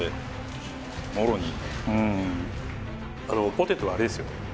ポテトはあれですよね